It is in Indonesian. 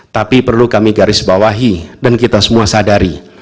tapi perlu kami garis bawahi dan kita semua sadari